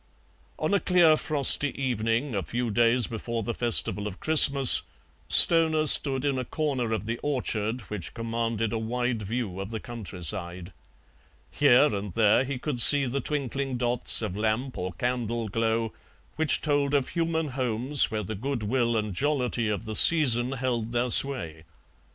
On a clear frosty evening, a few days before the festival of Christmas, Stoner stood in a corner of the orchard which commanded a wide view of the countryside. Here and there he could see the twinkling dots of lamp or candle glow which told of human homes where the goodwill and jollity of the season held their sway.